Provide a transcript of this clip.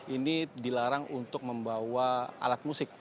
ini dilarang untuk membawa alat musik